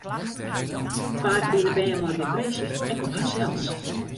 Faak binne bern mei depresje ek op harsels.